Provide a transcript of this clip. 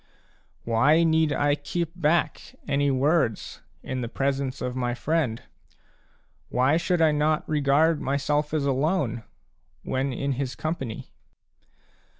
Why need I keep back any words in the presence of my friend ? Why should I not regard myself as alone when in his company